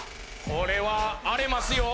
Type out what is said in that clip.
これは荒れますよ。